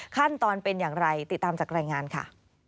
ขั้นตอนเป็นอย่างไรติดตามจากรายงานค่ะ